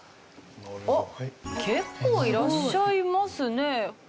おっ結構いらっしゃいますね。